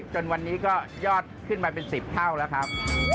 จนวันนี้ก็ยอดขึ้นมาเป็น๑๐เท่าแล้วครับ